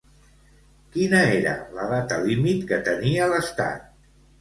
Quina era la data límit que tenia l'Estat?